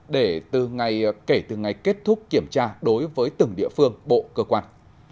để từ ngày kết thúc kiểm tra đối với từng địa phương bộ cơ quan